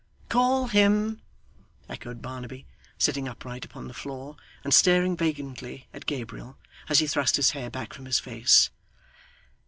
'Call him!' echoed Barnaby, sitting upright upon the floor, and staring vacantly at Gabriel, as he thrust his hair back from his face.